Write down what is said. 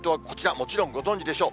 もちろんご存じでしょう。